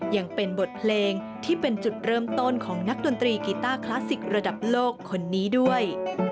ยังเป็นบทเพลงที่เป็นจุดเริ่มต้นของนักดนตรีกีต้าคลาสสิกระดับโลกคนนี้ด้วย